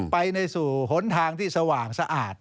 ไปในสู่หนทางที่สว่างสะอาด